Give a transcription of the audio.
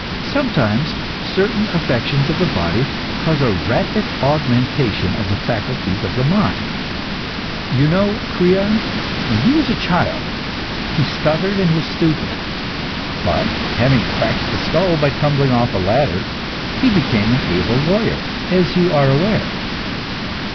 Sometimes certain affections of the body cause a rapid augmentation of the faculties of the mind. You know Creon? When he was a child, he stuttered and was stupid. But, having cracked his skull by tumbling off a ladder, he became an able lawyer, as you are aware.